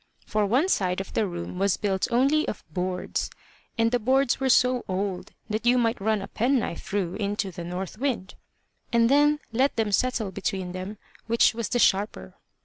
For one side of the room was built only of boards, and the boards were so old that you might run a penknife through into the north wind. And then let them settle between them which was the sharper!